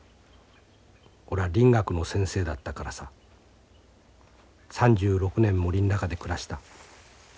おら林学の先生だったからさ３６年森ん中で暮らした。